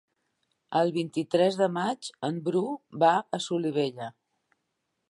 El vint-i-tres de maig en Bru va a Solivella.